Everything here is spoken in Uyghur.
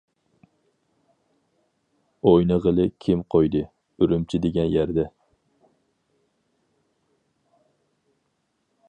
ئوينىغىلى كىم قويدى، ئۈرۈمچى دېگەن يەردە.